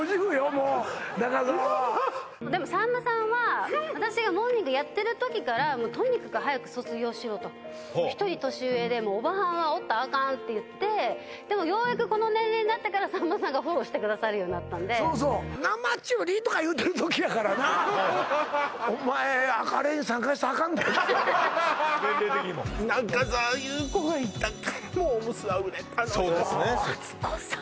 もう中澤はでもさんまさんは私がモーニングやってる時からもうとにかく早く卒業しろと１人年上でもうおばはんはおったらあかんっていってでもようやくこの年齢になってからさんまさんがフォローしてくれるようになったんでそうそう「ひなまちゅり」とか言うてる時やからなお前あれに参加したらあかんで年齢的にもそうですねマツコさん